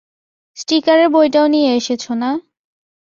স্টিকারের বইটাও নিয়ে এসেছো, না?